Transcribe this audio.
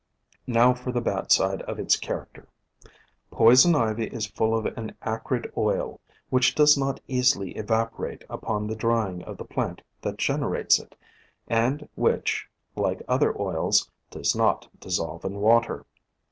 Now for the bad side of its character. Poison Ivy is full of an acrid oil, which does not easily evaporate upon the drying of the plant that generates it, and which, like other oils, does not dissolve in water.